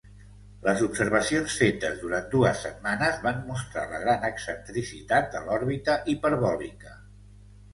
Les observacions fetes durant dues setmanes van mostra la gran excentricitat de l'òrbita hiperbòlica.